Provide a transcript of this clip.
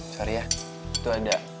sorry ya itu ada